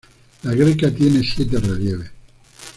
La greca tiene siete relieves.